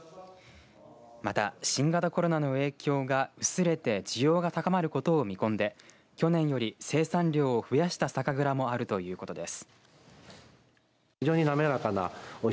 また、新型コロナの影響が薄れて需要が高まることを見込んで去年より生産量を増やした酒蔵もあるということです。